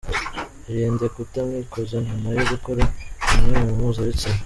Irinde kutamwikoza nyuma yo gukora imibonano mpuza bitsina.